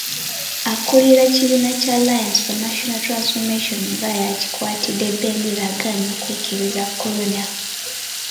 Akulira ekibiina kya Alliance for National Transformation nga y'akikwatidde bbendera agaanye okwekebeza kolona.